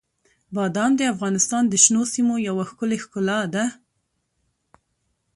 بادام د افغانستان د شنو سیمو یوه ښکلې ښکلا ده.